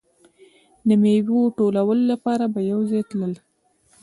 د میوې ټولولو لپاره به یو ځای تلل.